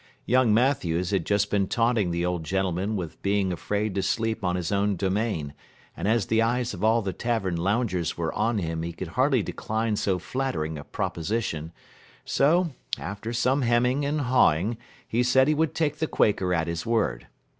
Young Matthews had just been taunting the old gentleman with being afraid to sleep on his own domain, and as the eyes of all the tavern loungers were on him he could hardly decline so flattering a proposition, so, after some hemming and hawing, he said he would take the Quaker at his word.